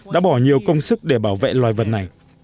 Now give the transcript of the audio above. đã bỏ nhiều công sức để bảo vệ loài vật này